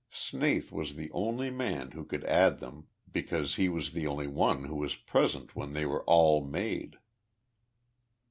Snaith was the only man who could add them, because he was the only one who was present when they were all made!"